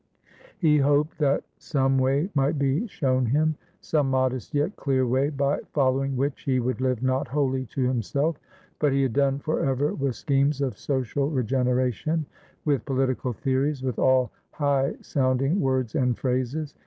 He hoped that some way might be shown him, some modest yet clear way, by following which he would live not wholly to himself; but he had done for ever with schemes of social regeneration, with political theories, with all high sounding words and phrases.